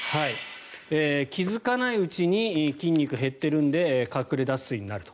気付かないうちに筋肉が減っているので隠れ脱水になると。